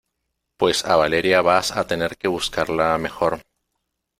pues a Valeria vas a tener que buscarla mejor,